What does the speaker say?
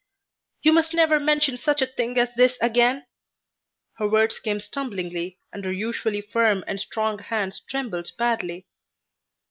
"You must never mention such a thing as this again." Her words came stumblingly and her usually firm and strong hands trembled badly.